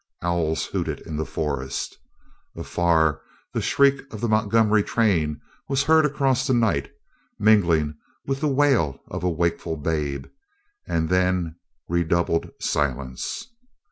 Owls hooted in the forest. Afar the shriek of the Montgomery train was heard across the night, mingling with the wail of a wakeful babe; and then redoubled silence.